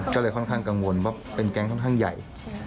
ก็เลยค่อนข้างกังวลว่าเป็นแก๊งค่อนข้างใหญ่